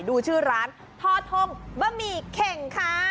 ดูชื่อร้านทอทงบะหมี่เข่งค่ะ